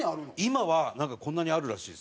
今はなんかこんなにあるらしいです。